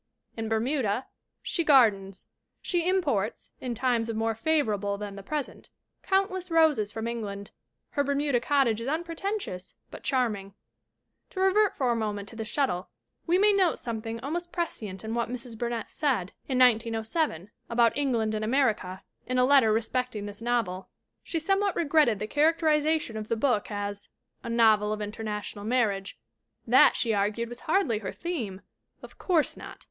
In Bermuda she gardens. She imports, in times more favorable than the present, countless roses from England. Her Ber muda cottage is unpretentious but charming. To revert for a moment to The Shuttle, we may note something almost prescient in what Mrs. Bur nett said, in 1907, about England and America, in a letter respecting this novel. She somewhat regretted 364 THE WOMEN WHO MAKE OUR NOVELS the characterization of the book as "a novel of inter national marriage." That, she argued, was hardly her theme. Of course not.